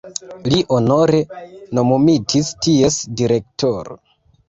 Li honore nomumitis ties direktoro.